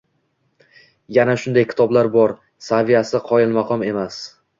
Yana shunday kitoblar bor: saviyasi qoyilmaqom emas